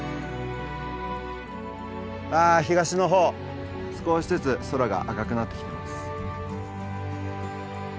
あ東の方少しずつ空が赤くなってきてます。